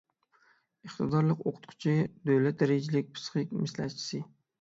ئىقتىدارلىق ئوقۇتقۇچى، دۆلەت دەرىجىلىك پىسخىك مەسلىھەتچىسى